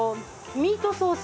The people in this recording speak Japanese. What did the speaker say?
ミートソース？